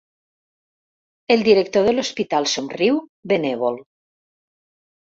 El director de l'hospital somriu, benèvol.